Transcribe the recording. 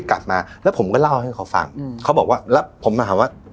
กลับมาแล้วผมก็เล่าให้เขาฟังอืมเขาบอกว่าแล้วผมมาหาว่า